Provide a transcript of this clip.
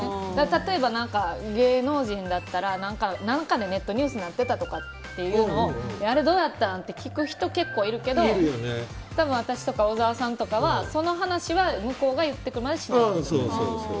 例えば、芸能人だったら何かでネットニュースになってたとかっていうのをあれ、どうやったん？って聞く人結構いるけど多分私とか小沢さんとかはその話は向こうが言ってくるまでしない。